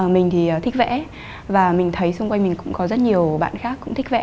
mình thì thích vẽ và mình thấy xung quanh mình cũng có rất nhiều bạn khác cũng thích vẽ